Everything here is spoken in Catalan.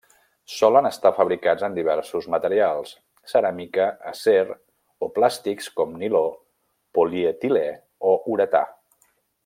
Solen estar fabricats en diversos materials: ceràmica, acer, o plàstics com niló, polietilè o uretà.